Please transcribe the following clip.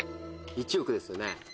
１億ですよね。